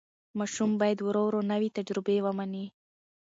ماشوم باید ورو ورو نوې تجربې ومني.